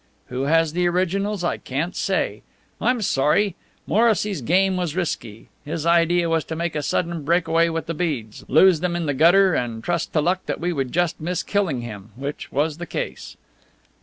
Who has the originals I can't say. I'm sorry. Morrissy's game was risky. His idea was to make a sudden breakaway with the beads lose them in the gutter and trust to luck that we would just miss killing him, which was the case.